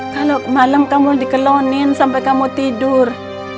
kalau malam kamu dikelonin sampai kamu tidur